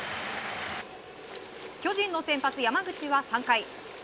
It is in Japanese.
巨人の先発・山口は３回。